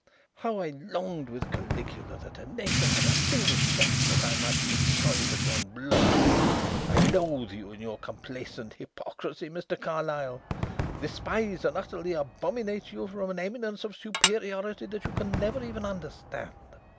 How I longed with Caligula that a nation had a single neck that I might destroy it at one blow. I loathe you in your complacent hypocrisy, Mr. Carlyle, despise and utterly abominate you from an eminence of superiority that you can never even understand."